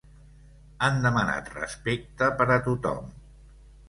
Han demanat respecte per a tothom.